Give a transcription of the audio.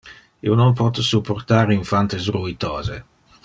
Io non pote supportar infantes ruitose.